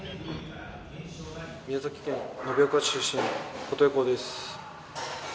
宮崎県延岡市出身琴恵光です。